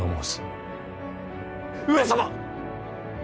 上様！